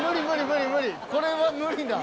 これは無理だ。